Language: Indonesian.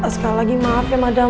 sekali lagi maaf ya madang